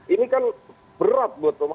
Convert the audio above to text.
ini kan berat buat omo